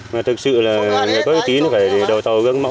mà thực sự là người có uy tín phải đầu tàu găng mõ